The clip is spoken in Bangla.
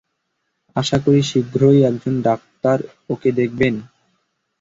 আশা করি শীঘ্রই একজন ডাক্তার ওকে দেখবেন।